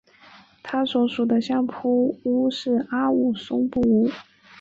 他所属的相扑部屋是阿武松部屋。